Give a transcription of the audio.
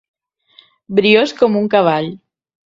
Briós com un cavall.